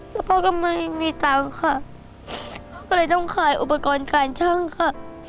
แล้วพ่อก็ไม่มีตังค์ค่ะก็เลยต้องขายอุปกรณ์การช่างค่ะ